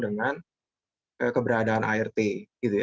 dengan keberadaan art